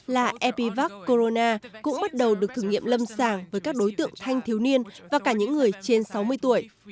là epivac corona cũng bắt đầu được thử nghiệm lâm sàng với các đối tượng thanh thiếu niên và cả những người trên sáu mươi tuổi